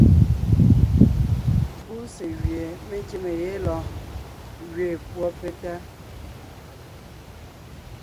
Púse gwie me kíme lɔɔn gẅeen púɔ petá.